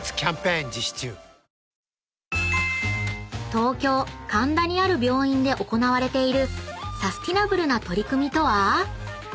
［東京神田にある病院で行われているサスティナブルな取り組みとは？］